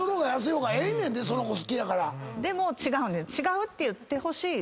でも違うんです。